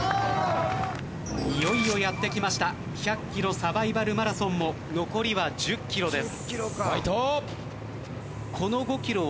いよいよやって来ました１００ｋｍサバイバルマラソンも残りは１０ｋｍです。